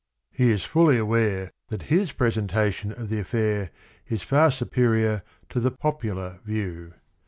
He is fully aware that his presentation of the affair is far superior to the popular view.